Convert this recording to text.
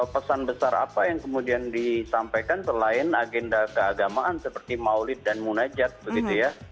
pesan besar apa yang kemudian disampaikan selain agenda keagamaan seperti maulid dan munajat begitu ya